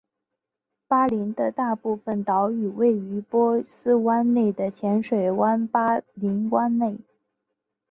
巴林的大部分岛屿位于波斯湾内的浅水湾巴林湾内。